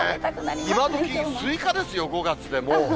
今どき、スイカですよ、５月でもう。